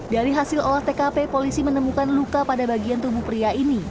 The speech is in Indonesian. dari hasil olah tkp polisi menemukan luka pada bagian tubuh pria ini